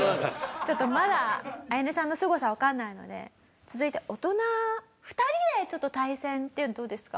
ちょっとまだアヤネさんのすごさわかんないので続いて大人２人でちょっと対戦っていうのどうですか？